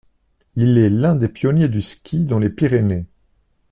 Il est l'un des pionniers du ski dans les Pyrénées.